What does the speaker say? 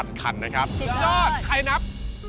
สุดยอดใครนับเอ่อใคร้นับ